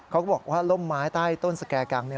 ก็บอกว่าร่มไม้ใต้ต้นสแก่กัง